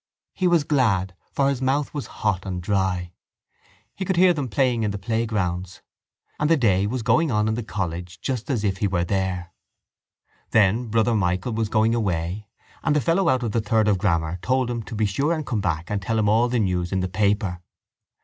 He was glad for his mouth was hot and dry. He could hear them playing in the playgrounds. And the day was going on in the college just as if he were there. Then Brother Michael was going away and the fellow out of the third of grammar told him to be sure and come back and tell him all the news in the paper.